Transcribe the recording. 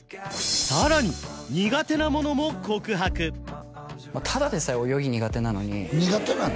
さらに苦手なものも告白ただでさえ泳ぎ苦手なのに苦手なの？